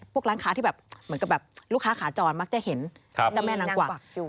ร้านค้าที่แบบเหมือนกับแบบลูกค้าขาจรมักจะเห็นเจ้าแม่นางกวักอยู่